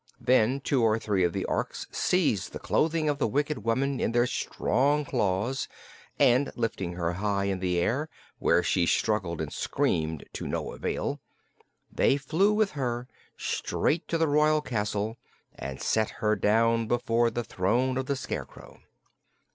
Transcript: Then two or three of the Orks seized the clothing of the wicked woman in their strong claws and, lifting her high in the air, where she struggled and screamed to no avail, they flew with her straight to the royal castle and set her down before the throne of the Scarecrow.